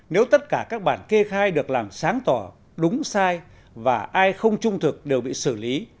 nếu tất cả các bản kê khai được làm sáng tỏ đúng sai và ai không trung thực đều bị xử lý